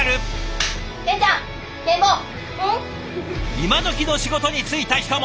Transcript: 今どきの仕事に就いた人も！